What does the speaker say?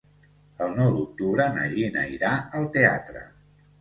El nou d'octubre na Gina irà al teatre.